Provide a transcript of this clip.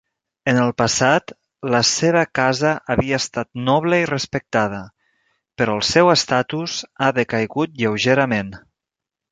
En el passat, la seva casa havia estat noble i respectada, però el seu estatus ha decaigut lleugerament.